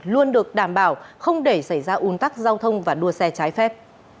luôn được đảm bảo không để xảy ra un tắc giao thông và đua xe trái phép